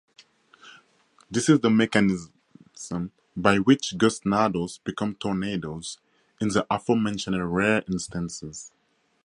This is the mechanism by which gustnadoes become tornadoes in the aforementioned rare instances.